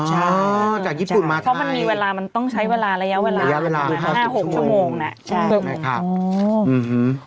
จากญี่ปุ่นมาไทยเพราะมันมีเวลามันต้องใช้เวลาระยะเวลา๕๖ชั่วโมง